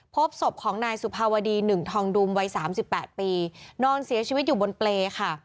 พบศพของนายสุภาวดีหนึ่งทองดุมวัยสามสิบแปดปีนอนเสียชีวิตอยู่บนเปรย์ค่ะ